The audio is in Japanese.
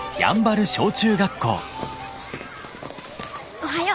おはよう。